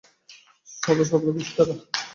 সদা-সর্বদা খুশি থাকা।